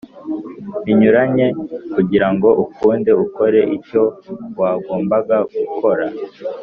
binyuranye kugira ngo ukunde ukore icyo wagombaga gukora